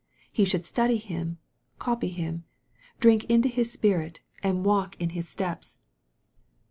He should study Him, copy Him, drink into His Spirit, and walk in His steps.